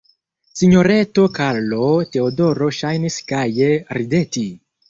Sinjoreto Karlo-Teodoro ŝajnis gaje rideti.